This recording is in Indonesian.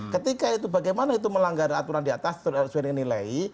ketika itu bagaimana itu melanggar aturan di atas sesuai dengan nilai